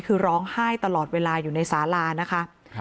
คือร้องไห้ตลอดเวลาอยู่ในสารานะคะ